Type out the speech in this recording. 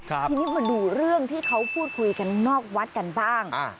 ทีนี้มาดูเรื่องที่เขาพูดคุยกันนอกวัดกันบ้าง